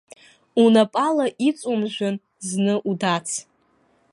Унапала иҵумжәан зны удац.